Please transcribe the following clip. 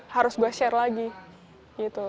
harus gue share lagi gitu